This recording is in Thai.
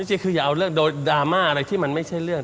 จริงคืออย่าเอาเรื่องโดยดราม่าอะไรที่มันไม่ใช่เรื่อง